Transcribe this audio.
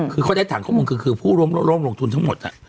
คือเขาได้ฐานข้อมูลคือผู้ร่วมลงทุนทั้งหมด